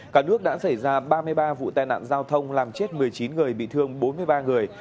cả nước đã xảy ra ba mươi ba vụ tai nạn giao thông làm chết một mươi chín người bị thương bốn mươi ba người